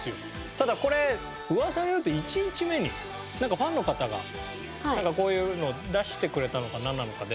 ただこれ噂によると１日目にファンの方がこういうの出してくれたのかなんなのかで。